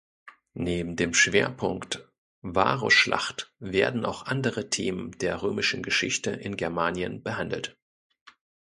Neben dem Schwerpunkt Varusschlacht werden auch andere Themen der römischen Geschichte in Germanien behandelt.